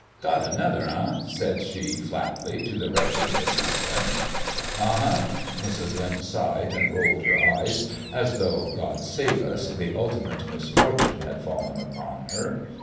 " Got another, eh ?" says she, flatly, to the wretched Mrs. Limp. " Uh huh !" Mrs. Limp sighed and rolled her eyes, as though, God save us ! the ultimate mis fortune had fallen upon her.